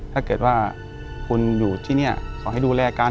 ถ้าเกิดว่าคุณอยู่ที่นี่ขอให้ดูแลกัน